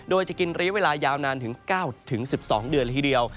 โดยจะกินระยะเวลายาวนานถึง๙๑๒เดือนละทีเดียว